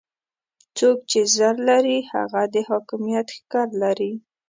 څوک چې زر لري هغه د حاکميت ښکر لري.